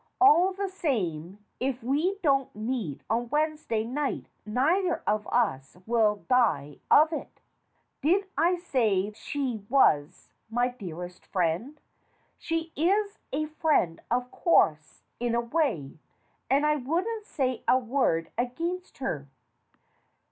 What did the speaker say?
All the same, if we don't meet on Wednesday night neither of us will die of it" "Did I say she was my dearest friend? She is a friend, of course, in a way, and I wouldn't say a word against her."